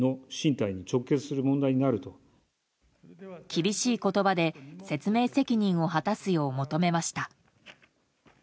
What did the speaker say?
厳しい言葉で説明責任を果たすよう求めました。